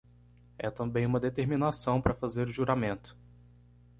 É também uma determinação para fazer o juramento